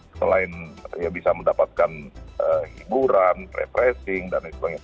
selain bisa mendapatkan hiburan refreshing dan lain sebagainya